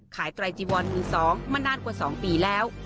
ไตรจีวอนมือ๒มานานกว่า๒ปีแล้ว